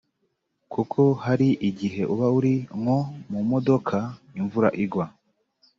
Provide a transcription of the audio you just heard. Kuko hari igihe uba uri nko mu modoka imvura igwa